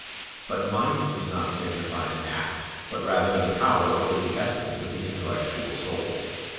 But mind does not signify an act, but rather the power or the essence of the intellectual soul.